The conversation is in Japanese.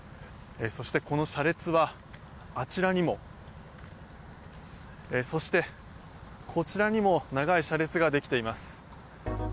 そして、この車列はあちらにも、そしてこちらにも長い車列ができています。